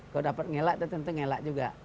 kalau dapat ngelak dan tentu ngelak juga